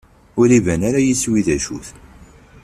Ur iban ara yiswi d acu-t.